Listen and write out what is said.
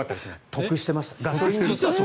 得してました。